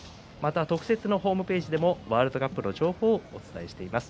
特設のホームページでもワールドカップの情報をお伝えします。